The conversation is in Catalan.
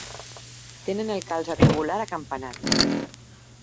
Tenen el calze tubular acampanat.